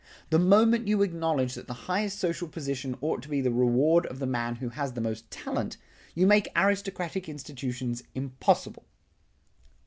The moment you acknowledge that the highest social position ought to be the reward of the man who has the most talent, you make aristocratic institutions impossible.